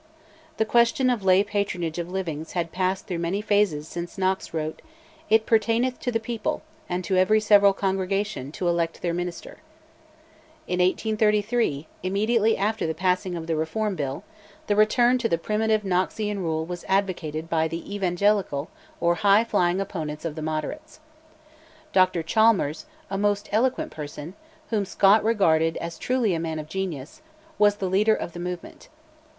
The question of lay patronage of livings had passed through many phases since Knox wrote, "It pertaineth to the people, and to every several congregation, to elect their minister." In 1833, immediately after the passing of the Reform Bill, the return to the primitive Knoxian rule was advocated by the "Evangelical" or "High Flying" opponents of the Moderates. Dr Chalmers, a most eloquent person, whom Scott regarded as truly a man of genius, was the leader of the movement.